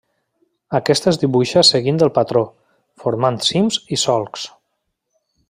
Aquest es dibuixa seguint el patró, formant cims i solcs.